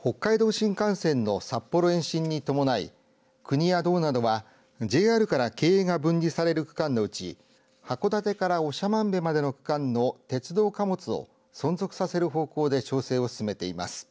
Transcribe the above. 北海道新幹線の札幌延伸に伴い国や道などはＪＲから経営が分離される区間のうち函館から長万部までの区間の鉄道貨物を存続させる方向で調整を進めています。